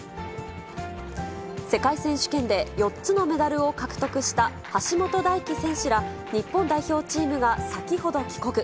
世界選手権で４つのメダルを獲得した橋本大輝選手ら、日本代表チームが先ほど帰国。